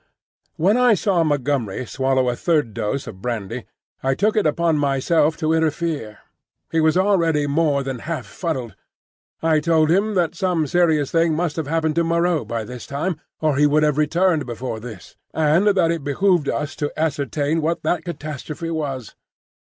When I saw Montgomery swallow a third dose of brandy, I took it upon myself to interfere. He was already more than half fuddled. I told him that some serious thing must have happened to Moreau by this time, or he would have returned before this, and that it behoved us to ascertain what that catastrophe was.